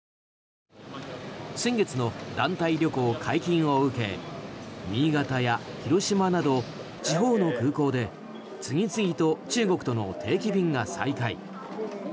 先月の団体旅行解禁を受け新潟や広島など地方の空港で次々と中国との定期便が再開。